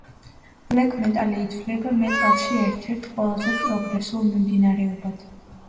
ბლეკ მეტალი ითვლება მეტალში ერთ-ერთ ყველაზე პროგრესულ მიმდინარეობად.